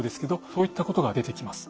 そういったことが出てきます。